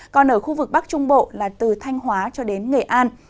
còn ở khu vực bắc trung bộ là từ thanh hóa cho đến nghệ an